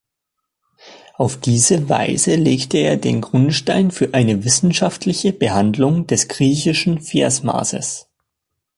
Auf diese Weise legte er den Grundstein für eine wissenschaftliche Behandlung des griechischen Versmaßes.